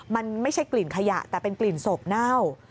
มันไม่ใช่กลิ่นขยะแต่เป็นกลิ่นศพเน่า